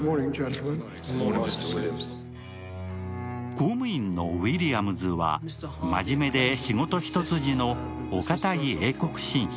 公務員のウィリアムズは真面目で仕事一筋のお堅い英国紳士。